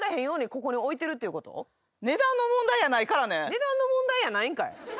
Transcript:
値段の問題やないんかい。